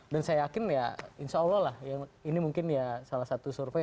dan saya yakin ya insya allah lah ini mungkin ya salah satu survey